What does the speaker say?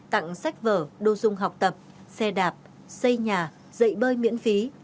tặng sách vở đô dung học tập xe đạp xây nhà dậy bơi miễn phí